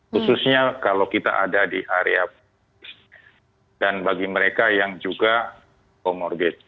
khususnya kalau kita ada di area dan bagi mereka yang juga comorbid